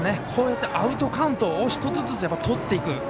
こうやってアウトカウントを１つずつとっていく。